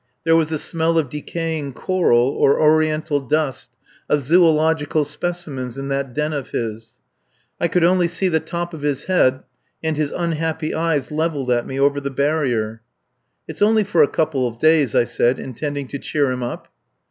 There was a smell of decaying coral, or Oriental dust of zoological speciments in that den of his. I could only see the top of his head and his unhappy eyes levelled at me over the barrier. "It's only for a couple of days," I said, intending to cheer him up.